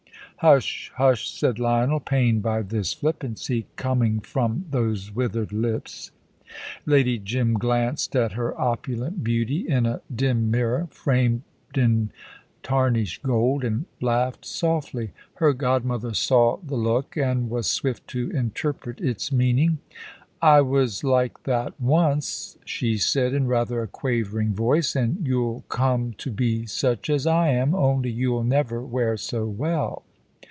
"Hush! hush!" said Lionel, pained by this flippancy coming from those withered lips. Lady Jim glanced at her opulent beauty in a dim mirror, framed in tarnished gold, and laughed softly. Her godmother saw the look and was swift to interpret its meaning. "I was like that once," she said, in rather a quavering voice, "and you'll come to be such as I am, only you'll never wear so well.